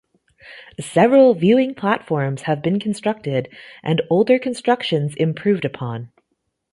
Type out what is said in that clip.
Several viewing platforms have been constructed and older constructions improved upon.